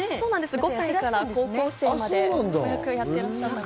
５歳から高校生まで子役をやってらっしゃいました。